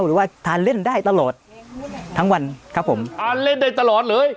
หรือว่าทานเล่นได้ตลอดทั้งวันครับผมทานเล่นได้ตลอดเลย